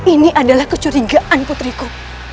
ini adalah kecurigaan putriku